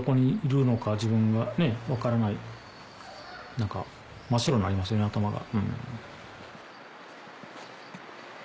何か真っ白になりますね頭が。